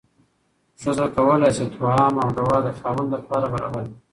ښځه کولی شي طعام او دوا د خاوند لپاره برابره کړي.